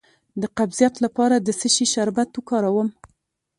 د قبضیت لپاره د څه شي شربت وکاروم؟